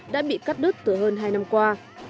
đã bị cắt đứt từ hơn hai năm qua